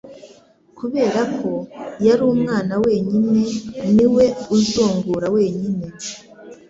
Kubera ko yari umwana wenyine, niwe uzungura wenyine.